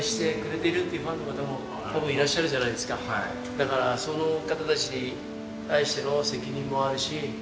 だからその方たちに対しての責任もあるし。